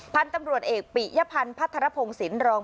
พันธุ์ตำรวจเอกปิยพันธ์พัทรพงศิลปรอง